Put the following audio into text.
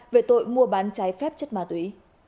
về tội mua bán trái phép chất ma túy